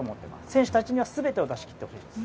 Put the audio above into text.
選手たちには全てを出し切ってほしいです。